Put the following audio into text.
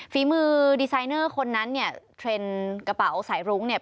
ฝีมือดีไซเนอร์คนนั้นเนี่ยเทรนด์กระเป๋าสายรุ้งเนี่ย